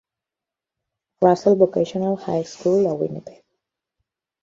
Russell Vocational High School a Winnipeg.